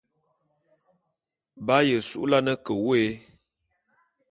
B'aye su'ulane ke wôé.